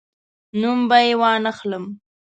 نوم به یې وانخلم.